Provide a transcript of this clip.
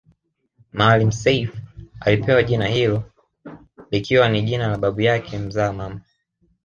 Maalim Self alipewa jina hilo likiwa ni jina la babu yake mzaa mama